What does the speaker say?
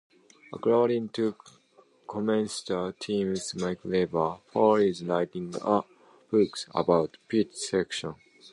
According to commentator Tim McCarver, Paul is writing a book about pitch selection.